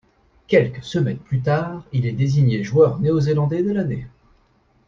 Quelques semaines plus tard, il est désigné joueur néo-zélandais de l'année.